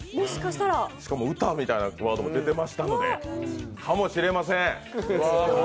しかも歌みたいなワードも出てましたのでかもしれません。